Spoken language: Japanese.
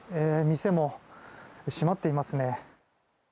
店も閉まっていますね。